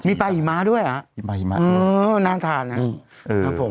มีปลาหิมะด้วยอ่ะน่าทานอ่ะ